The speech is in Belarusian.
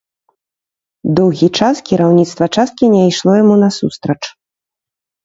Доўгі час кіраўніцтва часткі не ішло яму насустрач.